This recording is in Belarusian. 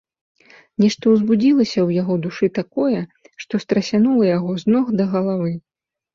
Нешта ўзбудзілася ў яго душы такое, што страсянула яго з ног да галавы.